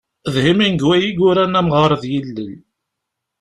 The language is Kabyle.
D Hemingway i yuran " Amɣar d yillel".